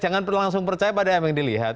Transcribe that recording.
jangan langsung percaya pada apa yang dilihat